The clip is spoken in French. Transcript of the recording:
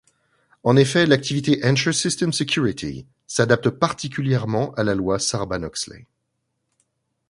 En effet, l'activité Ensure Systems Security s'adapte particulièrement à la loi Sarbanes-Oxley.